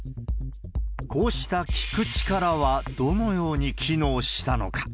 こうした聴く力はどのように機能したのか。